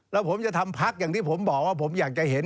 แล้วผมจะทำพักอย่างที่ผมบอกว่าผมอยากจะเห็น